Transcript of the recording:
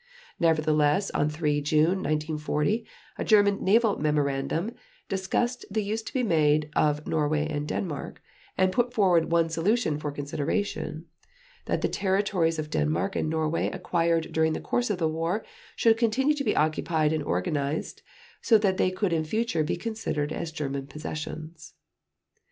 Nevertheless, on 3 June 1940, a German naval memorandum discussed the use to be made of Norway and Denmark, and put forward one solution for consideration, that the territories of Denmark and Norway acquired during the course of the war should continue to be occupied and organized so that they could in the future be considered as German possessions.